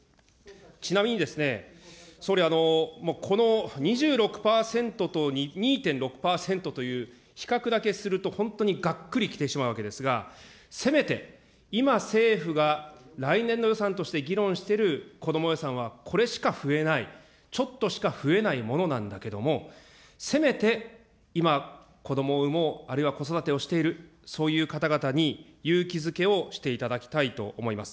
ちなみにですね、総理、この２６％と２．６％という比較だけすると、本当にがっくりきてしまうわけですが、せめて、今政府が来年度予算として議論している子ども予算はこれしか増えない、ちょっとした増えないものなんだけれども、せめて今、子どもを産もう、あるいは子育てをしている、そういう方々に勇気づけをしていただきたいと思います。